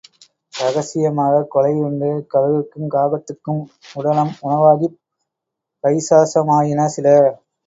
ரகசியமாகக் கொலையுண்டு கழுகுக்குங் காகத் துக்கும் உடலம் உணவாகிப் பைசாசமாயின சில.